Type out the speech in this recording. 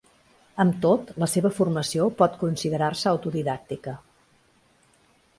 Amb tot, la seva formació pot considerar-se autodidàctica.